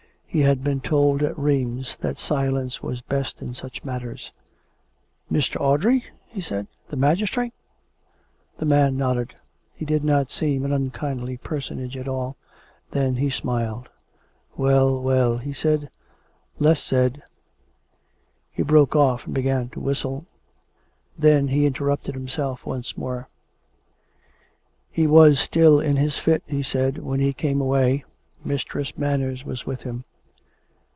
He had been told at Rheims that silence was best in such matters. " Mr. Audrey ?" he said. " The magistrate .?" The man nodded. He did not seem an unkindly person age at all. Then he smiled. " Well, well," he said. " Less said " 432 COME RACK! COME ROPE! He broke off and began to whistle. Then he interrupted himself once more. " He was still in his fit/' he said, " when we came away. Mistress Manners was with him."